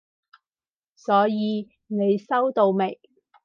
所以你收到未？